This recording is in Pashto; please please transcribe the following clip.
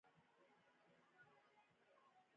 د همدې په زور عالم راته غلام دی